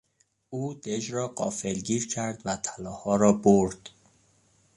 او دژ را غافلگیر کرد و طلاها را برد.